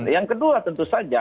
yang kedua tentu saja